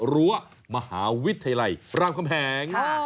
รั้วมหาวิทยาลัยรามคำแหง